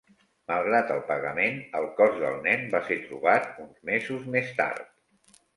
Malgrat el pagament, el cos del nen va se trobat uns mesos més tard.